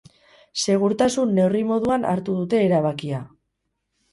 Segurtasun neurri moduan hartu dute erabakia.